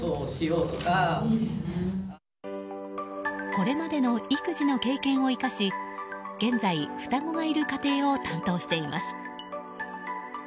これまでの育児の経験を生かし現在、双子がいる家庭を担当しています。